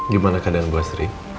gimana keadaan bu asri